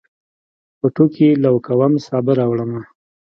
پټوکي لو کوم، سابه راوړمه